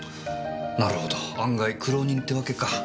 なるほど案外苦労人てわけか。